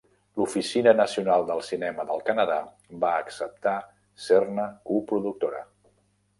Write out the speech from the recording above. L'Oficina Nacional del Cinema del Canadà va acceptar ser-ne coproductora.